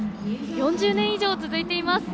４０年以上続いています。